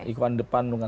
ikuan depan menggunakan